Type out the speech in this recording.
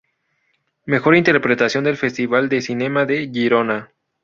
Mejor interpretación del Festival de Cinema de Girona.